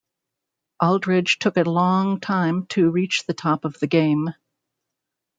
Aldridge took a long time to reach the top of the game.